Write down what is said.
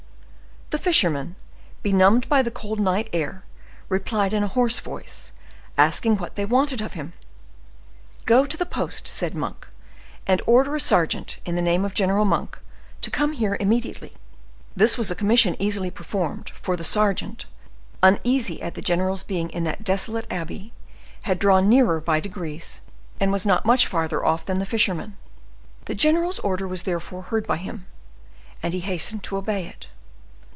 The fisherman, benumbed by the cold night air, replied in a hoarse voice, asking what they wanted of him. "Go to the post," said Monk, "and order a sergeant, in the name of General Monk, to come here immediately." This was a commission easily performed; for the sergeant, uneasy at the general's being in that desolate abbey, had drawn nearer by degrees, and was not much further off than the fisherman. The general's order was therefore heard by him, and he hastened to obey it.